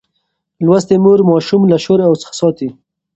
لوستې مور ماشوم له شور څخه ساتي.